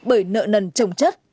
bởi nợ nần trồng chất